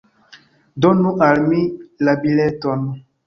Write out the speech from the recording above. Donu al mi la bileton.